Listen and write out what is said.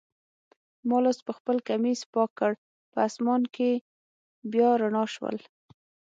ما لاس پخپل کمیس پاک کړ، په آسمان کي بیا رڼا شول.